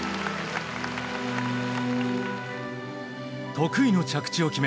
得意の着地を決め